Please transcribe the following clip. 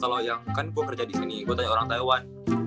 kalau yang kan gue kerja di sini gue tanya orang taiwan